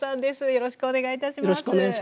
よろしくお願いします。